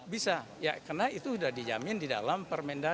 bisa karena itu sudah dijamin di dalam permendagri